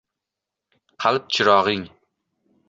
Qalb chirog’ing